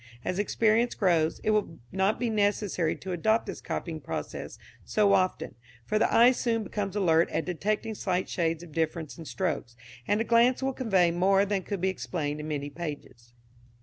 As experience grows, it will not be necessary to adopt this copying process so often, for the eye soon becomes alert at detecting slight shades of difference in strokes, and a glance will convey more than could be explained in many pages.